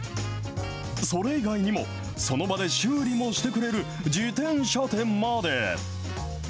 それ以外にも、その場で修理もしてくれる自転車店まで。